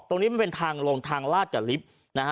ตรงนี้มันเป็นทางลงทางลาดกับลิฟต์นะฮะ